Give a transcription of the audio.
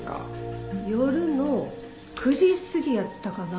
夜の９時過ぎやったかな。